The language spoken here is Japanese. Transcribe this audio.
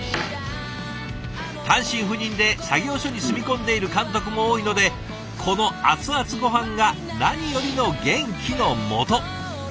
単身赴任で作業所に住み込んでいる監督も多いのでこの熱々ごはんが何よりの元気のもと。